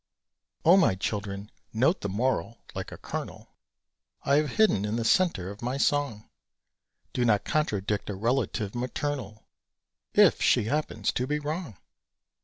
O my Children, note the moral (like a kernel) I have hidden in the centre of my song! Do not contradict a relative maternal, If she happens to be wrong!